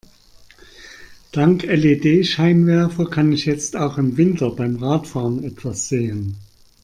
Dank LED-Scheinwerfer kann ich jetzt auch im Winter beim Radfahren etwas sehen.